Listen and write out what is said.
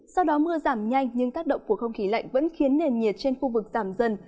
sau đó mưa giảm nhanh nhưng tác động của không khí lạnh vẫn khiến nền nhiệt trên khu vực giảm dần